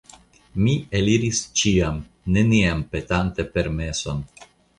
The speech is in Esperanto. Mi eliris ĉiam, neniam petante permeson.